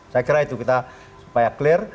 saya kira itu kita supaya clear